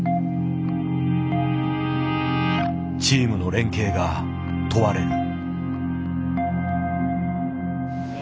チームの連携が問われる。